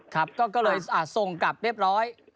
ครับก็เลยส่งกลับเรียบร้อย